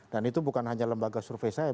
dan itu bukan hanya lembaga survei saya